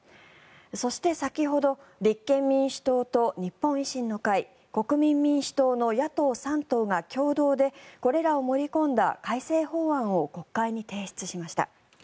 そして先ほど立憲民主党と日本維新の会国民民主党の野党３党が共同で、これらを盛り込んだ改正法案を国会に提出しました。